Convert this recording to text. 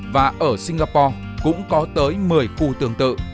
và ở singapore cũng có tới một mươi khu tương tự